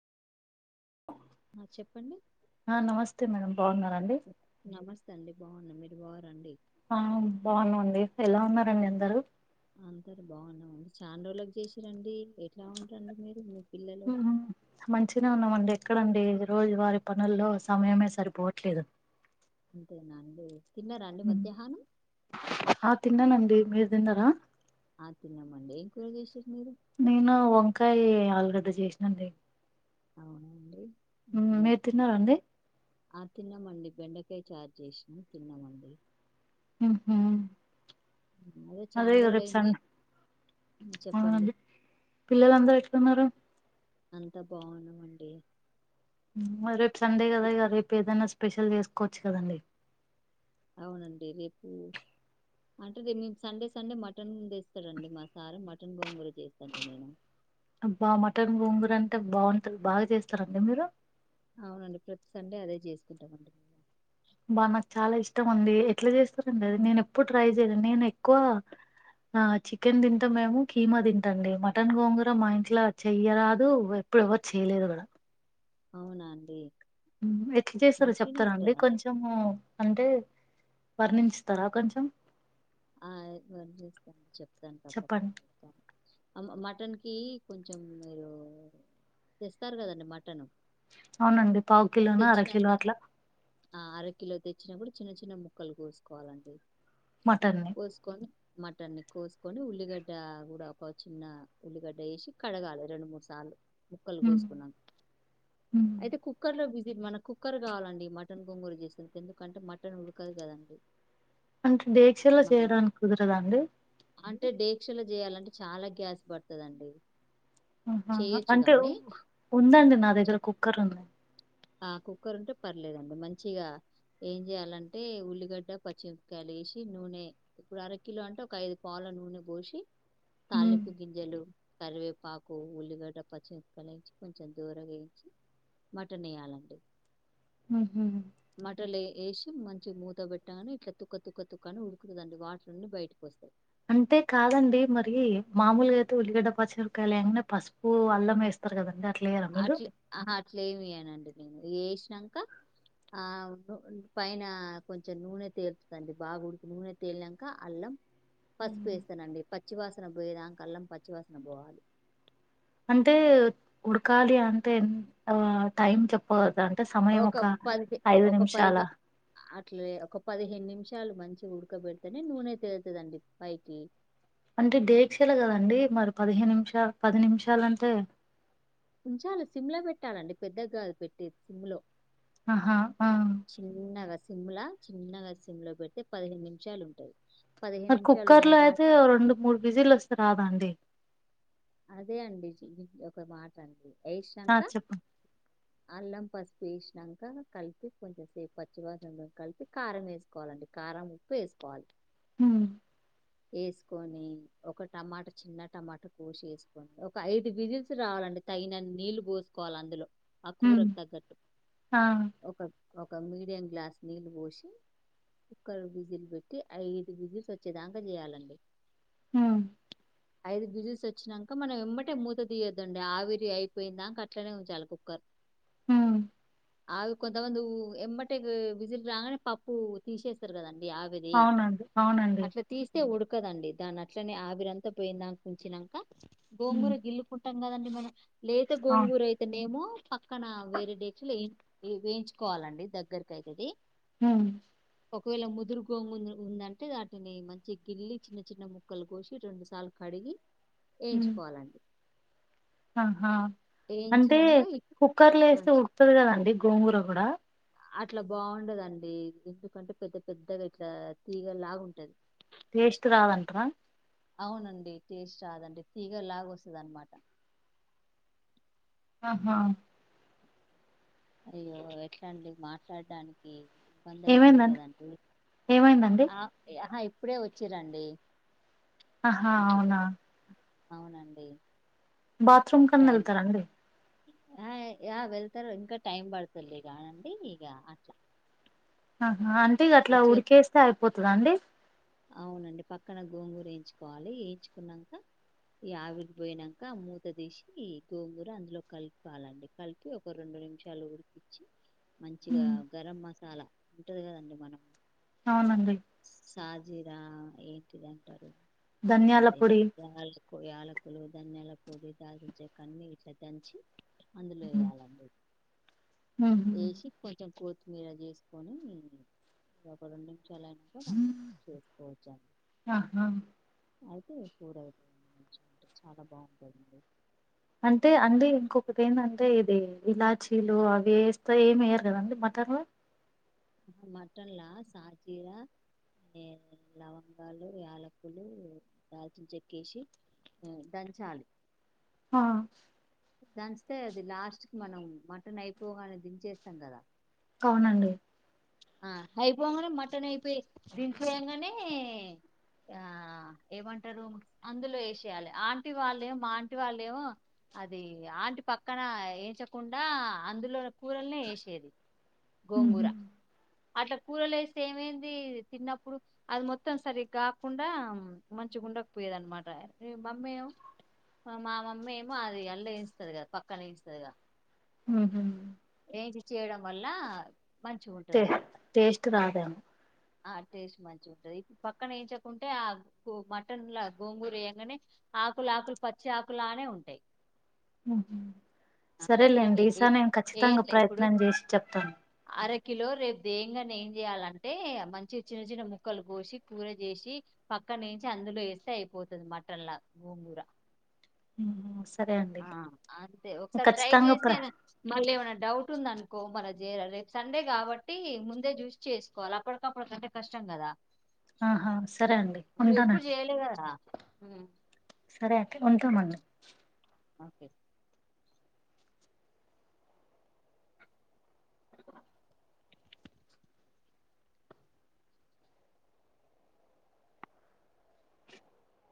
ఆ చెప్పండి ఆ నమస్తే మేడం బాగున్నండి బాగున్నాయి మీరు బాగు రండి ఆ వు నుబాగునువండి ఎలా ఉన్నారండి అందరు అంతారు బాగున్నామండి చాండోళ్ళకి చేసిరండి ఎట్లా ఉంటండి మీరు పిల్లలు మంచిన ఉన్నామండి ఎక్కడంండి రోజు వారి పనుల్లో సమయమే సరిపోవట్లేదు అంతేనాండి ఆ తిన్నానండి మీరు తిన్నారా ఆ తన్నమ్మంటం కూరగేశ్వర మిరు ఎంత చేసినండి అవునండి ఉమ్ మీరు తిన్నారండి ఆ తన్నమడి బెండకాయ చార్ చేసినా తిన్నామండి [unintelligible] అదే చానా ఇగ రేపు రోజులైంది. సండే ఉమ్, చెప్పండి అవునండి పిల్లలందరూ ఎట్లన్నారు? అంతా బాగున్నామండి ఉమ్ రేపు సండే కదా ఇ- ఇగ రేపు ఏదన్నా స్పెషల్ చేసుకోవచ్చు కదండి. అవునండి రేపు అంటే రేప్ మేము సండే సండే మటన్ తెస్తదండి మా సారు, మటన్ గోంగూర చేస్తాండి నేను. అబ్బా మటన్ గొంగుర అంటే బాగుంటది, బాగా చేస్తారండి మీరు? అవునండి ప్రతి సండే అదే చేసుకుంటామండి మేము. బా నాకు చాలా ఇష్టం అండి, ఎట్ల చేస్తారండి అది నేను ఎప్పుడు ట్రై చేయలే, నేను ఎక్కువ ఆ చికెన్ తింటాం మేము కీమా తింటండి, మటన్ గోంగూర మా ఇంట్లో చెయ్యరాదు ప్పుడు ఎవరు చేయలేదు కూడా. అవునా అండి. ఉమ్ ఎట్ల చేస్తరో మంచిగనే చెప్తారాండి ఉంటదండి. కొంచము. అంటే వర్ణించుతరా కొంచం ఆ రేపు చేస్తాను, చెప్తాను తప్పకుండా చెప్పండి చెబుతాను అమ్మ మటన్ కి కొంచెం మీరు తెస్తారు కదండి మటను. అవునండి పావు కిలోనో, అర తెచ్చినాక కిలో అట్లా ఆ అర కలో తెచ్చినా కూడా చిన్న చిన్న ముక్కలు కోసుకోవాలండి, మటన్ని కోసుకొని మటన్ని కోసుకొని, ఉల్లిగడ్డ గుడ ఒక చిన్న ఉల్లిగడ్డ ఈసి కడగాలె, రెండు మూడు సార్లు ముక్కలు మ్, కోసుకునం, మ్. అయితే కుక్కర్ లో వి ది మన కుక్కర్ కావాలండి, మటన్ కొంగూర చేసే ఎందుకంటే మటన్ ఉడకదు కదండి అంటే దీక్షలో చేయడానికి కుదరదా అండి? అంటే డీక్షలు చేయాలంటే చాలా గ్యాస్ పడుతదండి అహహ అంటే ఉ ఉందండి నా దగ్గర చెప్ కుక్కర్ ఉంది. ఆ కుక్కర్ ఉంటే పర్లేదండి, మంచిగా ఏం చేయాలంటే ఉల్లిగడ్డ, పచ్చిమి కాయలు ఏసి నూనె ఇప్పుడు అర కిలో అంటే ఒక ఐదు పావల నూనె పోసి మ్, తాలింపు గింజలు, కరివేపా కు ఉల్లిగడ్డ పచ్చిమిరపకాయలు ఏయించుకొని కొంచెం దోరగా వేయించి మటన్ వేయాలండి. మ్హూ. మటలే ఏష్ మంచిగ మూత పెట్టగానే ఇట్లా తుక్క తుక్క తుక్కని ఉడుకుతదండి వాటర్ అన్ని బయటకు వస్తాయి. అంటే కాదండి మరి మామూలుగా అయితే ఉల్లిగడ్డ పచ్చిరకాయలు లేనా, పసుపు అల్లం వేస్ రుకదండి ఆ అట్లే ఆహ అట్లే ఏమేయనండి నేను ఏసినంక ఆ పైన కొంచెం నూనె తేలుతదండి, బాగుడికి నూనె తేలినంక అల్లం పసుపు ఉమ్. వేస్తానండి, పచ్చివాసన పోయేదాంక, అల్లం పచ్చివాసన పోవాలి. అంటే ఉడకాలి అంటే ఎం ఆ టైం చెప్పవదు దాని అంటె సమయము ఒక పదిహే ఐదు ఒక నిమిషాల పదిహే అట్లే ఒక పదిహేను నిమిషాలు మంచిగ ఉడకబెడితేనే నూనె తేలుతదండి పైకి అంటే దేక్షల కదండి మరి పదిహేను నిమిషాలు, పది నిమిషాలంటే ఉంచాలి సిమ్ లో పెట్టాలండి, పెద్దగాదు పెట్టేది సిమ్ లో ఆహా ఆ సిమ్లా చిన్నగా సిమ్ లో పెడితే, పదిహేను నిమిషాలు ఉంటాయ్. మరి కుక్కర్ లో అయితే రెండు మూడు విజిల్ వస్తది రాదాండి. అదే అండి ఒక మాట అండి, ఆ ఏశినంక చెప్పండి అల్లం పసుపు ఎసినంక కలిపి కొంచెం సేపు పచ్చివాసన కల్పి కారం వేసుకోవాలండి కారం ఉప్పు ఎస్కోవాలి హ్మ్ ఎసుకొని ఒక టమాట చిన్న టమాట కోసి ఎసుకోండి ఒక ఐదు విజిల్స్ రావాలండి తగినన్ని నీళ్లు పోసుకోవాలి అందులో ఆ హ్మ్ కూరకు తగ్గట్టు ఆ ఒక ఒక మీడియం గ్లాస్ నీళ్ళు పోసి కుక్కరు విజిల్ పెట్టి ఐదు విజిల్స్ వచ్చేదాకా జేయాలండి ఆ ఐదు విజిల్స్ వచ్చినంక మనం వెమ్మటే మూత తీయద్దండి ఆవిరి అయిపోయిన్ దాక అట్లనే ఉంచాలి కుక్కర్ హ్మ్ ఆవి కొంతమంది ఎమ్మటే విజిల్ రాగానే పప్పు తీసేస్తారు కదా ఆవిరి అవునండి అవునండి అట్లా తీస్తే ఉడు కదండి దాని అట్లనే ఆవిరంతా పోయిన్దాంక ఉంచినంక హ్మ్ గోంగూర గిల్లుకుంటా కదండి మనం లేత అవును గోంగూర అయితేనేేమో పక్కన వేరే డేక్షలు ఎ వేయించుకోవాలండి దగ్గరకైతది హ్మ్ ఒకవేళ ముదురు గోముద్రు ఉందంటే వాటిని మంచి గిల్లి చిన్న చిన్న ముక్కలు కోసి రెండు సార్లు క కడిగి హ్మ్ ఎయించుకోవాలండి ఆహా అంటే వేయించినాక ఈ- కుక్కర్లో ఆ, వేస్తే ఉకుతది కదండి గోంగూర కూడా అట్లా బావుండదండి ఎందుకంటే పెద్ద పెద్దగా ఇట్లా తీగ లాగా ఉంటది టేస్ట్ రాదంట అవునండి టేస్ట్ రాదండి తీగలాగ వస్తది అన్నమాట ఆహా అయ్యో ఎట్లాండి మాట్లాడ్డానికి ఇబ్బంది అయితుంది ఏమైందండి కదండి ఏమైందండి ఆ అహా ఇప్పుడే వచ్చిరండి ఆహా అట్లా అవునా అవునండి బాత్రూమ్ కన్నా టైం ఎళ్తారండి ఆ ఆ వెళ్తారు ఇంకా టైం పడుతుల్లె గానండి ఇగ అట్లా ఆహా అంటే ఇగ అట్లా మంచిగా ఉడికేస్తే అయిపోతద అండి అవునండి పక్కన గోంగూర ఎయించుకోవాలి ఎయించుకున్నాక ఈ ఆవిరి పోయినంక మూత తీసి గోంగూర అందులో కల్పాలండి కలిపి ఒక రెండు నిమిషాలు ఉడికించి మంచిగా ఉమ్, గరం మసాలా ఉంటది కదండి మనం అవునండి జీరా ఏంటిది అంటారు ధనియాల అదే పొడి యాలకు యాలకులు దన్యాల పోడి దాల్చిన చెక్క అన్ని ఇట్లా దంచి అందులో ఉహు. ఎయాలండి ఎసి కొంచెం కోత్ మీర చేసుకొని ఒక రెండు నిమిషాలు అయినంక మనము దింపుకొచ్చండి ఆహా అయితే కూర అయిపోయింది మంచిగ ఉంటది చాలా బావుంటుంది అంటే అండి ఇంకొకటి ఏందంటే ది ఇలాచీలు అవి ఎస్తా ఏమి ఎయ్యరు కదండి మటన్లో మటన్ల సాజిరా ఎ లవంగాలు యాలకులు దల్చినాచెక్కేసి హ్మ్ దంచాలి ఆ దంచితే అది లాస్ట్ కి మనం మటన్ అయిపోగానే దించేస్తాం కదా అవునండి ఆ అయిపోగాంనే మటన్ అయిపోయి దింపి ఏయాంగానే ఆ ఏమంటారు అందులో ఏసేయాలి ఆంటి వాళ్ళేమో మా ఆంటి వాళ్ళేమో అది ఆంటి పక్కన ఎంచకుండా అందులో కూరల్నే ఎషెది ఉనా అట్లా కూరలు ఎస్తే ఏమైంది తిన్నప్పుడు అది మొత్తం సరిగ్కా కాకుండా మంచి మంచిగా ఉండక పోయేది అనమాట అరే మమ్మీ ఏమో మా మమ్మీ ఏమో అది అల్ళ ఎంచుతాది కదా పక్కన ఎంచుతాది గా [inaudible] ఏంచి చేయడం వల్ల మంచిగా ఉంటది అనమాట కూరకా ఆ టేస్ట్ మంచిగా ఉంటది ఇప్పుడు పక్కన ఎంచుకుంటే ఆ మటన్ లో గోంగూర ఏయ్యంగానే ఆకుల ఆకులు పచ్చి ఆకులానే ఉంటాయి ఆ సరేలేండి అందుకే ఏ ఈసారి నేను ఏం ఖచ్చితంగా ప్రయత్నం చేసి చెప్తాను కిలో రేపు దేయంగానే ఏం చేయాలంటే మంచిగా చిన్న చిన్న ముక్కలు కోసి కూర చేసి ప పక్కన ఎంచి అందులో వేస్తే అయిపోతాది మటన్లా గోంగూర నోస్ ఆ అంతే ఒకసారి ట్రై చేస్తే ప్ర ఎదన మళ్ళీ ఏమైన డౌట్ ఉందనుకో మన రేపు సండే కాబట్టి ముందే జూసి చేసుకోవాల్ల అప్పటికప్పటికి అంటే కష్టం కదా ఆహా సరే అండి ఉండన హ్మ్ సరే అయితే ఉంటామళ్ళ ఓకే